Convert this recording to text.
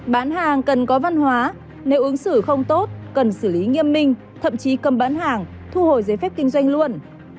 bán hàng cần có văn hóa nếu ứng xử không tốt cần xử lý nghiêm minh thậm chí cấm bán hàng thu hồi giấy phép kinh doanh luôn